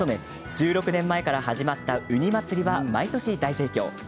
１６年前から始まったウニまつりは毎年、大盛況。